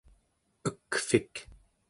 ekvik